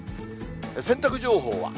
洗濯情報は。